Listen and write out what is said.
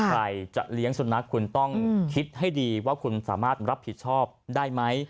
ใครจะเลี้ยงสุนัขคุณต้องคิดให้ดีว่าคุณสามารถรับผิดชอบได้ไหม